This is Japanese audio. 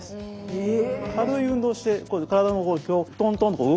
へえ。